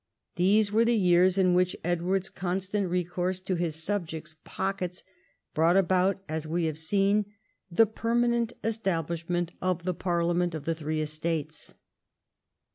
These are the years in which Edward's constant recourse to his subjects' pockets brought about, as we have seen, the permanent establishment of the Parliament of the Three Estates.